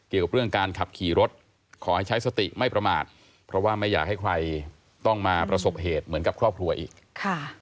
เกี่ยวกับเรื่องการขับขี่รถขอให้ใช้สติไม่ประมาทเพราะว่าไม่อยากให้ใครต้องมาประสบเหตุเหมือนกับครอบครัวอีกค่ะ